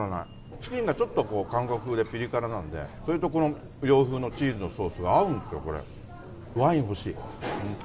チキンがちょっと韓国風でピリ辛なんで、それとこの洋風のチーズのソースが合うんですよ、これ。